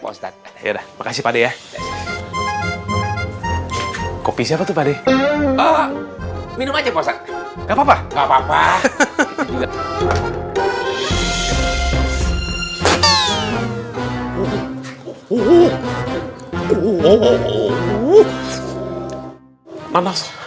posat ya makasih padeh kopi siapa tuh tadi minum aja posat enggak papa papa